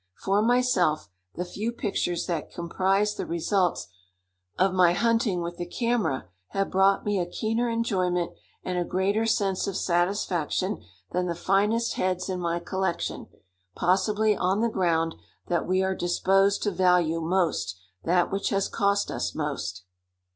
For myself, the few pictures that comprise the results of my hunting with the camera have brought me a keener enjoyment and a greater sense of satisfaction than the finest heads in my collection, possibly on the ground that we are disposed to value most that which has cost us most.